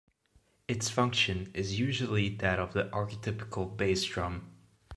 Its function is usually that of the archetypical bass drum.